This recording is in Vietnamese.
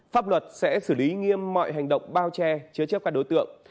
pháp luật sẽ xử lý nghiêm mọi hành động bao che chứa chấp các đối tượng